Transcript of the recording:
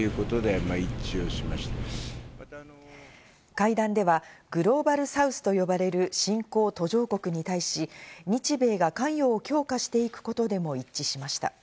会談ではグローバルサウスと呼ばれる新興・途上国に対し、日米が関与を強化していくことでも一致しました。